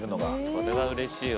これはうれしいわ。